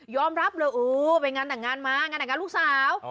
รับเลยโอ้ไปงานแต่งงานมางานแต่งงานลูกสาว